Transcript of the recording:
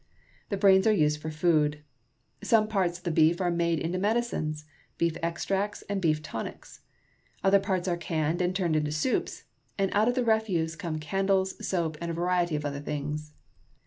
The brains are used for food. Some parts of the beef are made into medicines, beef extracts, and beef tonics. Other parts are canned and turned into soups, and out of the refuse come candles, soap, and a variety of other things.